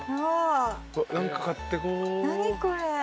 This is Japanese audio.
何か買ってこう。